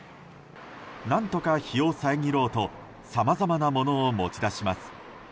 何とか日を遮ろうとさまざまなものを持ち出します。